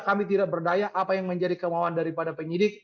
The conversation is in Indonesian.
kuisah tersebut menjadi pengaruh irak